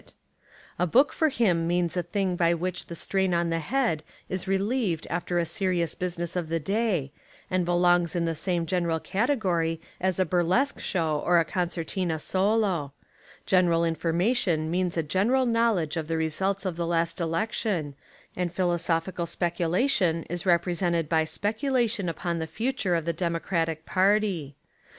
A 72 Literature and Education in America book for him means a thing by which the strain on the head is relieved after the serious busi ness of the day and belongs in the same general category as a burlesque show or a concertina solo : general information means a general knowledge of the results of the last election, and philosophical speculation is represented by speculation upon the future of the Democratic party.